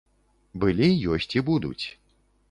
Былі, ёсць і будуць.